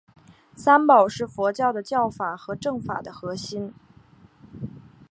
三宝是佛教的教法和证法的核心。